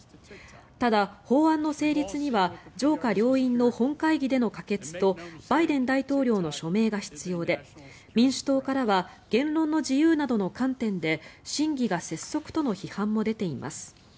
ただ、法案の成立には上下両院の本会議での可決とバイデン大統領の署名が必要で民主党からは言論の自由などの観点で審議が拙速との批判も出ています。